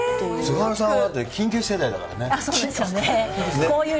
菅原さんは世代だからね。